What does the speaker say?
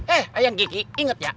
eh ayang kiki inget ya